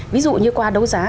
ví dụ như qua đấu giá